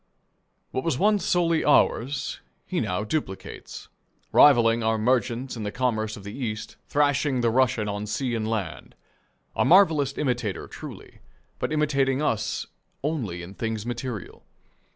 What was once solely ours he now duplicates, rivalling our merchants in the commerce of the East, thrashing the Russian on sea and land. A marvellous imitator truly, but imitating us only in things material.